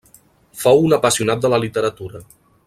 Fou un apassionat de la literatura.